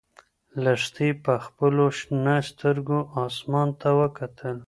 لښتې په خپلو شنه سترګو اسمان ته وکتل.